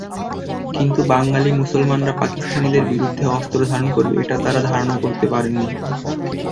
কিন্তু বাঙালি মুসলমানরা পাকিস্তানিদের বিরুদ্ধে অস্ত্রধারণ করবে, এটা তাঁরা ধারণা করতে পারেননি।